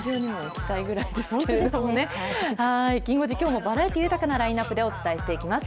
きん５時、きょうもバラエティ豊かなラインナップでお伝えしていきます。